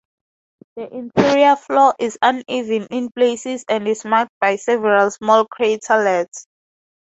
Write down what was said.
The interior floor is uneven in places and is marked by several small craterlets.